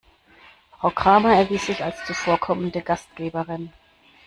Frau Kramer erwies sich als zuvorkommende Gastgeberin.